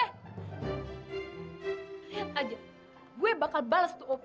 lihat aja gue bakal bales tuh opi